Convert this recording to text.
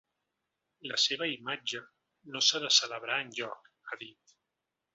La seva imatge no s’ha de celebrar enlloc, ha dit.